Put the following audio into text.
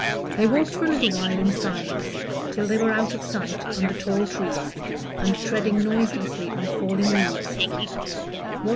They walked for a little while in silence till they were out of sight, under tall trees, and treading noiselessly on falling leaves.